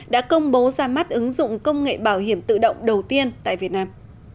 đã công bố ra mắt ứng dụng công nghệ bảo hiểm tự động đầu tiên tại việt nam